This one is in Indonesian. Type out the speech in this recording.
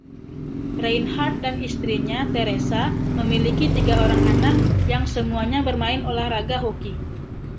Reinhart dan istrinya, Theresa, memiliki tiga orang anak, yang semuanya bermain olah raga hoki.